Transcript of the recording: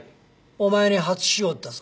お前に初仕事だぞ。